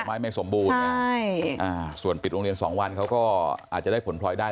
ไม้ไม่สมบูรณ์ไงใช่อ่าส่วนปิดโรงเรียน๒วันเขาก็อาจจะได้ผลพลอยได้